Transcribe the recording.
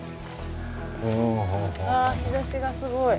あ日ざしがすごい。